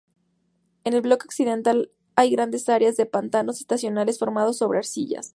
En el bloque occidental hay grandes áreas de pantanos estacionales formados sobre arcillas.